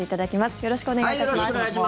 よろしくお願いします。